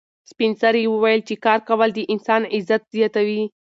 سپین سرې وویل چې کار کول د انسان عزت زیاتوي.